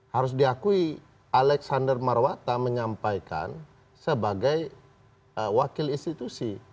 harus diakui alexander marwata menyampaikan sebagai wakil institusi